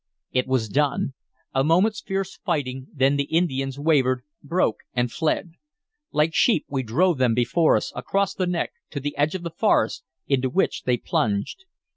It was done. A moment's fierce fighting, then the Indians wavered, broke, and fled. Like sheep we drove them before us, across the neck, to the edge of the forest, into which they plunged.